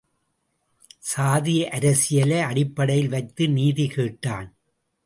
சாதி அரசியலை அடிப்படையில் வைத்து நீதி கேட்டான்.